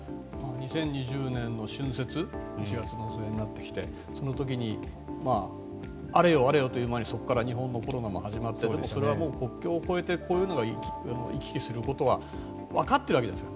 ２０２０年の春節１月の末になってきてその時にあれよあれよという間に日本もコロナが始まってそれは国境を越えてこういうのが行き来することはわかっているじゃないですか。